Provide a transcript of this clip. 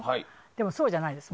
でも、そうじゃないんです。